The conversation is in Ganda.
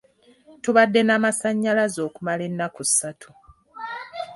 Tetubadde na masannyalaze okumala ennaku ssatu.